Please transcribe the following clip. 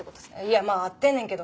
いやまあ合ってんねんけど。